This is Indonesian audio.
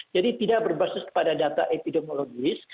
jadi tidak berbasis pada data epidemiologis